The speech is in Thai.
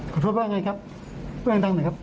ขอโทษว่าอย่างไรครับเรื่องดังหน่อยครับ